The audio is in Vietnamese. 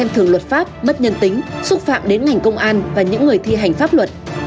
thành tích sống ảo